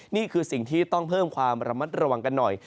นี่คือสิ่งที่ต้องเพิ่มความระมัดระวังกันหน่อย